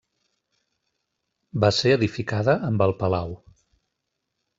Va ser edificada amb el palau.